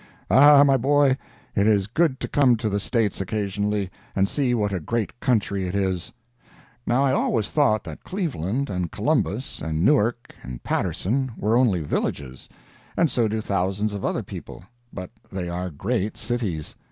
Ah, my boy, it is good to come to the States occasionally, and see what a great country it is. Now I always thought that Cleveland, and Columbus, and Newark, and Paterson, were only villages, and so do thousands of other people but they are great cities.